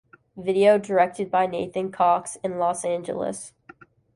Video directed by Nathan Cox in Los Angeles.